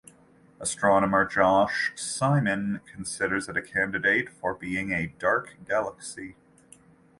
Astronomer Josh Simon considers it a candidate for being a dark galaxy.